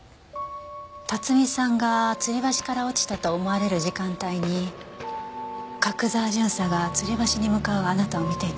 辰巳さんがつり橋から落ちたと思われる時間帯に角沢巡査がつり橋に向かうあなたを見ていたわ。